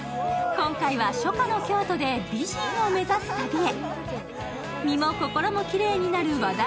今回は、初夏の京都で美人を目指す旅へ。